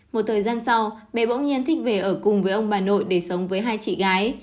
một thời gian sau bé bỗng nhiên thích về ở cùng với ông bà nội để sống với hai chị gái